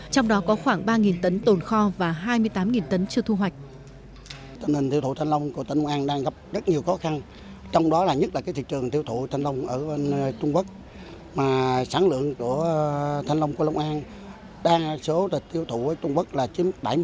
trong đó có khoảng ba tấn tồn kho và hai mươi tám tấn chưa thu hoạch